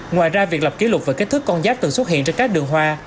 ngoài ra việc lập kỷ lục về kết thức con giáp từng xuất hiện trên các đường hoa